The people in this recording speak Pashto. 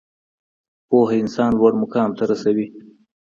پوهه انسان لوړ مقام ته رسوي.